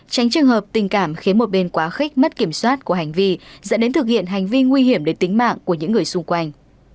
tránh trường hợp tình cảm khiến một bên quá khích mất kiểm soát của hành vi dẫn đến thực hiện hành vi nguy hiểm đến tính mạng của những người xung quanh